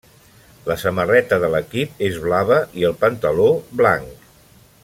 La samarreta de l'equip és blava i el pantaló blanc.